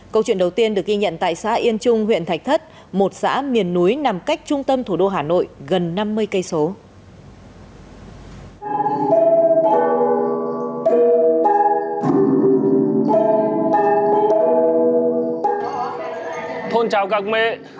câu chuyện đầu tiên được ghi nhận tại xã yên trung huyện thạch thất một xã miền núi nằm cách trung tâm thủ đô hà nội gần năm mươi km